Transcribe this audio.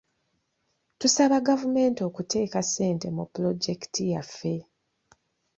Tusaba gavumenti okuteeka ssente mu pulojekiti yaffe.